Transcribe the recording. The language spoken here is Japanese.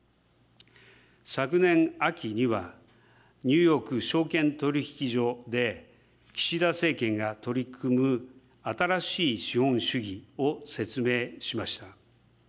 昨年秋には、ニューヨーク証券取引所で岸田政権が取り組む新しい資本主義を説明しました。